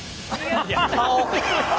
いや顔！